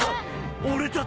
俺たち。